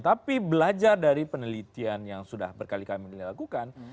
tapi belajar dari penelitian yang sudah berkali kali dilakukan